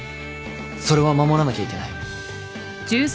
それは守らなきゃいけない。